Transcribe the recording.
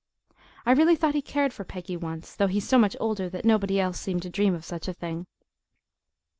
I really thought he cared for Peggy once, though he's so much older that nobody else seemed to dream of such a thing.